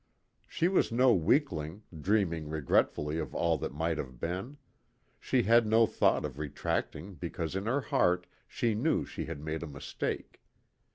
She was no weakling, dreaming regretfully of all that might have been; she had no thought of retracting because in her heart she knew she had made a mistake.